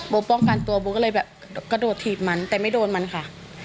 ป้องกันตัวโบก็เลยแบบกระโดดถีบมันแต่ไม่โดนมันค่ะ